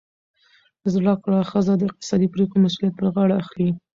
زده کړه ښځه د اقتصادي پریکړو مسؤلیت پر غاړه اخلي.